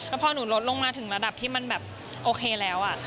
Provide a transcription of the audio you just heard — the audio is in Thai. แล้วพอหนูลดลงมาถึงระดับที่มันแบบโอเคแล้ว